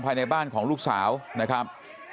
ภายในบ้านของลูกสาวนะครับ